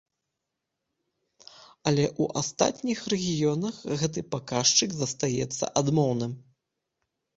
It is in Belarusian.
Але ў астатніх рэгіёнах гэты паказчык застаецца адмоўным.